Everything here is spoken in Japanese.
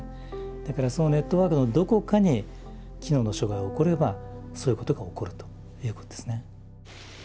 だからそのネットワークのどこかに機能の障害が起こればそういうことが起こるということですね。